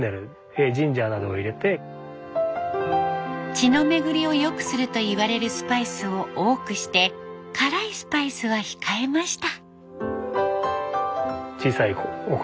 血の巡りを良くするといわれるスパイスを多くして辛いスパイスは控えました。